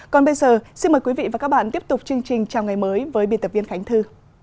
còn bây giờ xin mời quý vị và các bạn tiếp tục chương trình chào ngày mới với biên tập viên khánh thư